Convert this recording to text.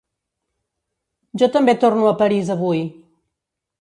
Jo també torno a París avui.